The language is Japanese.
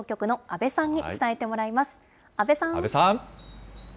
阿部さん。